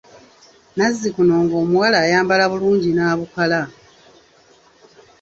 Nazzikuno ng'omuwala ayambala bulungi n'abukala.